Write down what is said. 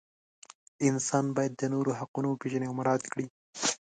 انسان باید د نورو حقونه وپیژني او مراعات کړي.